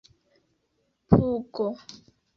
pugo